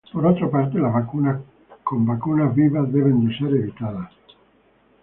Por otra parte, "las vacunas" con vacunas vivas deben ser evitados.